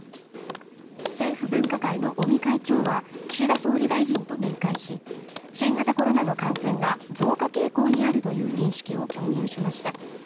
政府分科会の尾身会長は岸田総理大臣と面会し新型コロナの感染が増加傾向にあるという認識を共有しました。